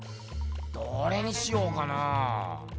どれにしようかな。